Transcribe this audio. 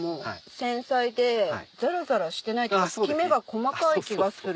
繊細でザラザラしてないきめが細かい気がする。